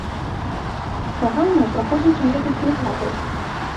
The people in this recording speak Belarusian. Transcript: Праграма праходзіць у некалькі этапаў.